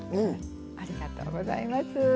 ありがとうございます。